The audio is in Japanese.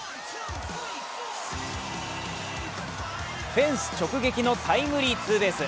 フェンス直撃のタイムリーツーベース。